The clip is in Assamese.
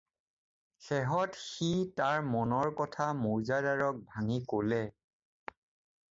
শেহত সি তাৰ মনৰ কথা মৌজাদাৰক ভাঙি ক'লে।